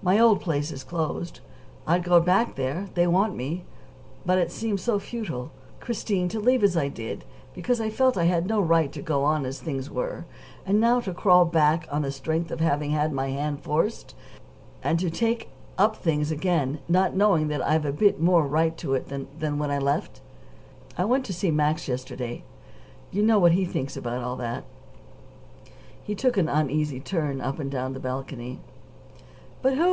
My old place is closed. I'd go back there they want me. But it seems so futile, Christine, to leave as I did, because I felt that I had no right to go on as things were; and now to crawl back on the strength of having had my hand forced, and to take up things again, not knowing that I've a bit more right to do it than when I left!" "I went to see Max yesterday. You know what he thinks about all that." He took an uneasy turn up and down the balcony. "But who?"